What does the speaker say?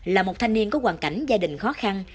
là một thanh niên có hoàn cảnh gia đình khó khăn